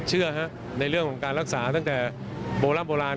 เชื่อฮะในเรื่องของการรักษาตั้งแต่โบราณ